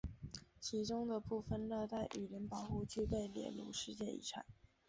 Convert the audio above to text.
其中的部分热带雨林保护区被列入世界遗产。